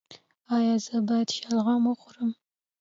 ایا زه باید شلغم وخورم؟